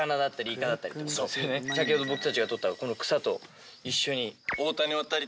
先ほど僕たちが採ったこの草と一緒に。